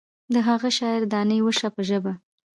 د هغه شاعر دانې وشه په ژبه.